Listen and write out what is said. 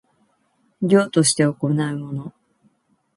業として行うもの